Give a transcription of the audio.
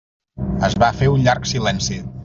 Es va fer un llarg silenci.